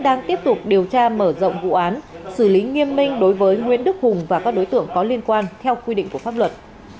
đang tiếp tục điều tra mở rộng vụ án xử lý nghiêm minh đối với nguyễn đức hùng và các đối tượng có liên quan theo quy định của pháp luật